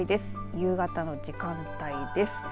夕方の時間帯です。